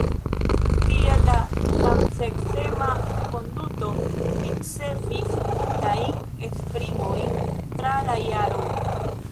Tiel la samseksema konduto ricevis multajn esprimojn tra la jaroj.